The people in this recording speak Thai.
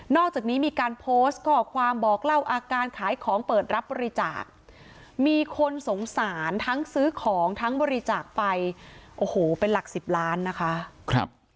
อกจากนี้มีการโพสต์ข้อความบอกเล่าอาการขายของเปิดรับบริจาคมีคนสงสารทั้งซื้อของทั้งบริจาคไปโอ้โหเป็นหลักสิบล้านนะคะ